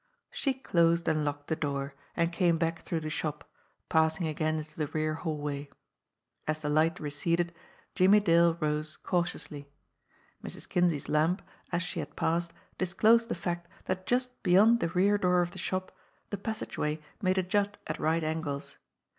She closed and locked the door, and came back through the shop, passing again into the rear hallway. As the light receded, Jimmie Dale rose cautiously. Mrs. Kinsey's lamp, as she had passed, disclosed the fact that just beyond the rear door of the shop, the passageway made a jut at right angles.